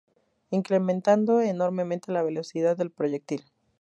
Incrementando enormemente la velocidad del proyectil.